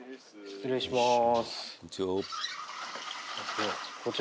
失礼します。